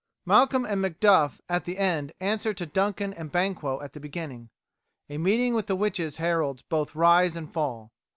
Malcolm and Macduff at the end answer to Duncan and Banquo at the beginning. A meeting with the witches heralds both rise and fall.